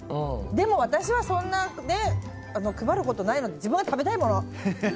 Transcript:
でも私はそんな配ることないので自分が食べたいもの。